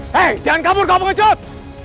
hei jangan kabur kau pengecut